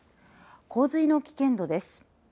洪水の危険度です。